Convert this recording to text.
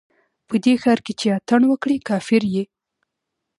په دې ښار کښې چې اتڼ وکړې، کافر يې